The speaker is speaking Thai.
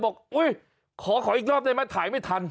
อุ๊ยขออีกรอบได้ไหมถ่ายไม่ทัน